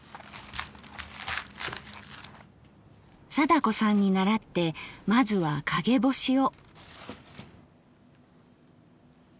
貞子さんに倣ってまずは陰干しを。